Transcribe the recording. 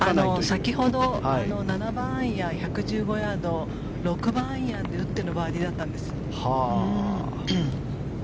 先ほど７番アイアン１１５ヤード６番アイアンで打ってのバーディーだったんです。